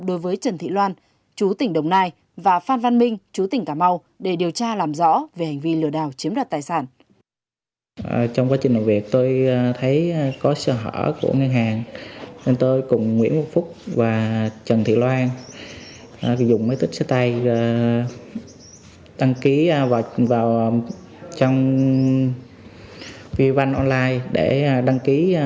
đối với trần thị loan chú tỉnh đồng nai và phan văn minh chú tỉnh cà mau để điều tra làm rõ về hành vi lừa đảo chiếm đoạt tài sản